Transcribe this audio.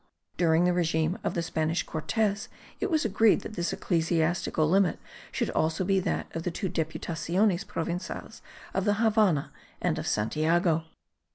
During the regime of the Spanish Cortes it was agreed that this ecclesiastical limit should be also that of the two Deputaciones provinciales of the Havannah and of Santiago.